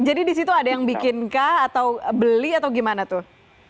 jadi di situ ada yang bikin kah atau beli atau gimana tuh